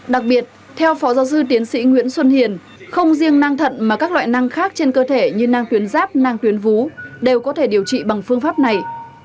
đặc biệt theo phó giáo sư tiến sĩ nguyễn xuân hiền không riêng năng thận mà các loại năng khác trên cơ thể như năng tuyến ráp năng tuyến vú đều có thể điều trị bằng phương pháp này